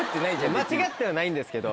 間違ってはないんですけど。